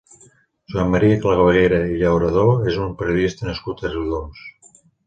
Joan Maria Clavaguera i Llauradó és un periodista nascut a Riudoms.